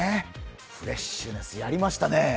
フレッシュネス、やりましたね。